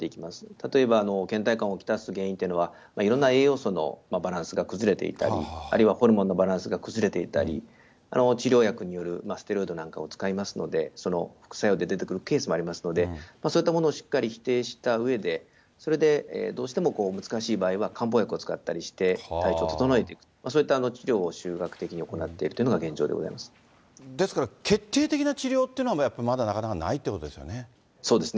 例えば、けん怠感をきたす原因というのは、いろんな栄養素のバランスが崩れていたり、あるいはホルモンのバランスが崩れていたり、治療薬によるステロイドなんかを使いますので、副作用で出てくるケースもありますので、そういったものをしっかり特定したうえで、それでどうしても難しい場合は漢方薬を使ったりして、体調を整えていく、そういった治療を行っているというのが現状でですから決定的な治療というのは、やっぱりまだなかなかないということなんですよね。